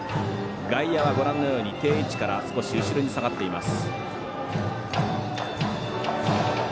外野は定位置から少し後ろに下がっています。